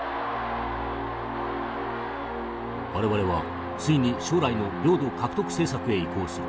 「我々はついに将来の領土獲得政策へ移行する。